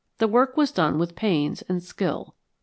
The work was done with pains and skill.